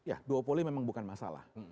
ya duopoli memang bukan masalah